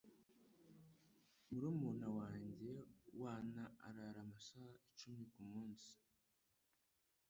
Murumuna wanjye wana arara amasaha icumi kumunsi.